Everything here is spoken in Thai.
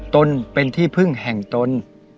ตนเป็นที่พึ่งแห่งตน